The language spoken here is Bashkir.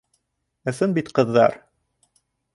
Ысын бит, ҡыҙҙар?